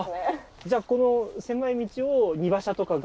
じゃあこの狭い道を荷馬車とかが走ってた。